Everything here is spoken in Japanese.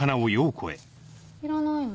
いらないの？